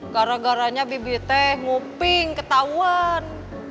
gara garanya bibi teh nguping ketauan